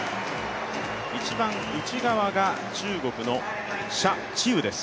一番内側が中国の謝智宇です。